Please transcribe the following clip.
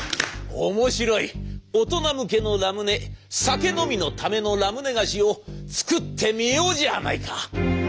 面白い大人向けのラムネ酒飲みのためのラムネ菓子を作ってみようじゃないか。